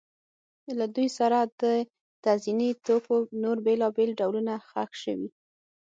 له دوی سره د تزیني توکو نور بېلابېل ډولونه ښخ شوي